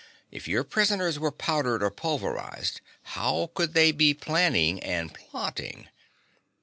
If your prisoners were powdered or pulverized, how could they be planning and plotting?"